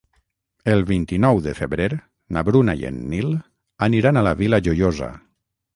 El vint-i-nou de febrer na Bruna i en Nil aniran a la Vila Joiosa.